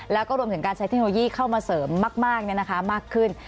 แล้วก็รวมถึงการใช้เทคโนโลยีเข้ามาเสริมมากมากขึ้น